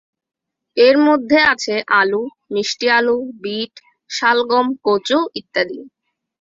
এর মধ্যে আছে আলু, মিষ্টি আলু, বিট, শালগম, কচু ইত্যাদি।